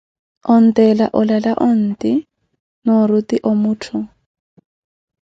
Oneethela olala onti, nooruti omuttho.